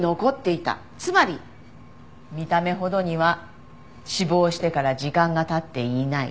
つまり見た目ほどには死亡してから時間が経っていない。